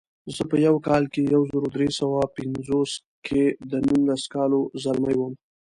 زه په کال یو زر درې سوه پنځوس کې د نولسو کالو ځلمی وم.